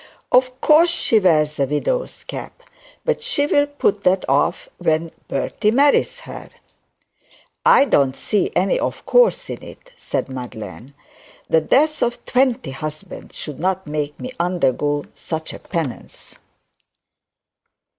'Of course she wears a widow's cap; but she'll put that off when Bertie marries her.' 'I don't see any "of course" in it,' said Madeline. 'The death of twenty husbands should not make me undergo such a penance.